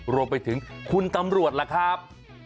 รวมไปถึงคุณตำรวจล่ะครับ